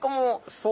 そう。